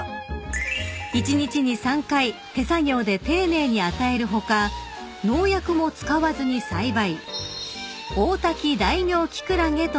［一日に３回手作業で丁寧に与える他農薬も使わずに栽培］